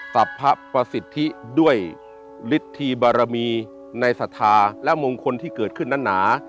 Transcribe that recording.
สรรพะประสิทธิด้วยฤทธิบารมีในศรัทธาและมงคลที่เกิดขึ้นนั้นหนา